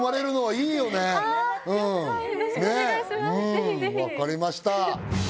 うんわかりました。